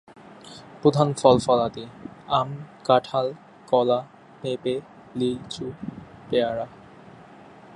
প্রধান ফল-ফলাদি আম, কাঁঠাল, কলা, পেঁপে, লিচু, পেয়ারা।